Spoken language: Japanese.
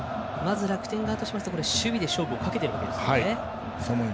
楽天側としては守備で勝負をかけているわけですね。